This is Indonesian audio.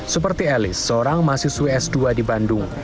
seperti alice seorang mahasiswa s dua di bandung